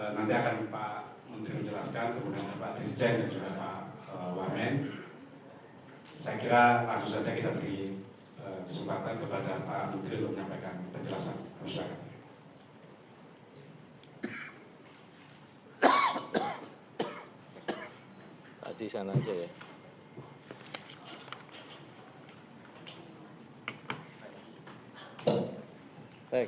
nanti akan pak menteri menjelaskan kemudian bapak dijen dan juga pak wame